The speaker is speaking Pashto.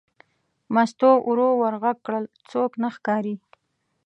مستو ورو ور غږ کړل: څوک نه ښکاري.